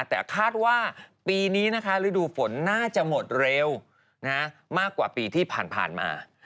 แต่คาดว่าปีนี้นะคะฤดูฝนน่าจะหมดเร็วมากกว่าปีที่ผ่านมา